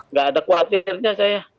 nggak ada khawatirnya saya